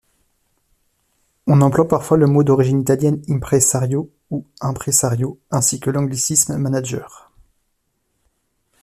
On emploie parfois le mot d’origine italienne impresario, ou imprésario, ainsi que l’anglicisme manager.